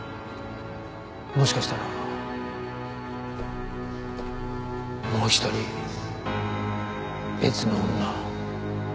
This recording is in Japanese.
もしかしたらもう一人別の女。